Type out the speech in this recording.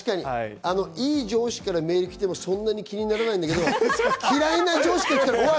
いい上司からメールが来てもそんなに気にならないけど、嫌いな上司から来たら、おい！